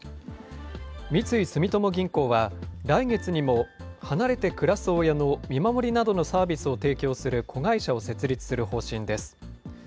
三井住友銀行は、来月にも離れて暮らす親の見守りなどのサービスを提供する子会社を設立する方針です。